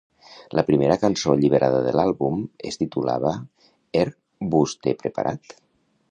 La primera cançó alliberada de l'àlbum es titulava Are vostè preparat?